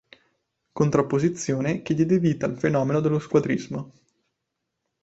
Contrapposizione che diede vita al fenomeno dello squadrismo.